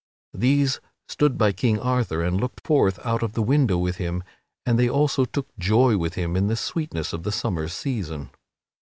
These stood by King Arthur and looked forth out of the window with him and they also took joy with him in the sweetness of the summer season.